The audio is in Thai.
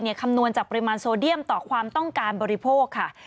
คำนวณจากปริมาณโซเดียมต่อความต้องการบริโภคค่ะ